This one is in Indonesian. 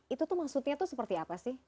itu tuh maksudnya tuh seperti apa sih